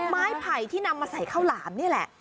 ไผ่ที่นำมาใส่ข้าวหลามนี่แหละ